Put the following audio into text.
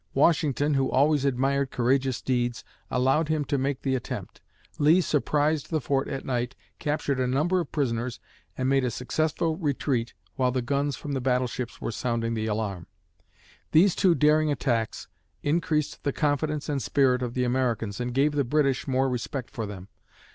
Washington, who always admired courageous deeds, allowed him to make the attempt. Lee surprised the fort at night, captured a number of prisoners and made a successful retreat while the guns from the battleships were sounding the alarm. These two daring attacks increased the confidence and spirit of the Americans and gave the British more respect for them.